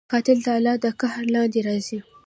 قاتل د الله د قهر لاندې راځي